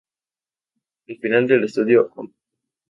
El final del Estudio Op.